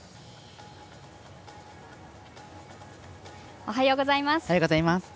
おはようございます。